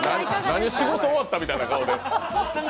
何仕事終わったみたいな顔で。